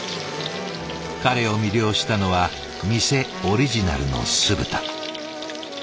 彼を魅了したのは店オリジナルの酢豚。